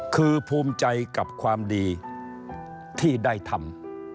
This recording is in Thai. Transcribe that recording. คือภูมิใจกับความดีที่ได้ทำ